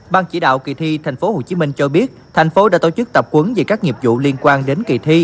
ban chỉ đạo kỳ thi tp hcm cho biết thành phố đã tổ chức tập quấn về các nghiệp vụ liên quan đến kỳ thi